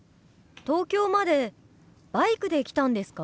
東京までバイクで来たんですか？